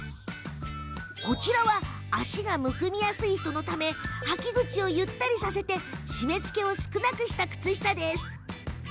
こちらは足がむくみやすい人のためはき口をゆったりとさせ締めつけを少なくした靴下です。